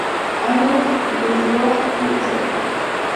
Andrews, Greifswald y Upsala.